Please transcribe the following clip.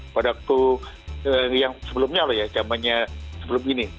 padahal itu yang sebelumnya loh ya zamannya sebelum ini